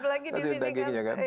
apalagi di sini kan